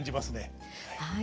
はい。